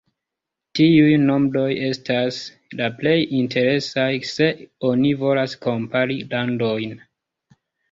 Tiuj nombroj estas la plej interesaj, se oni volas kompari landojn.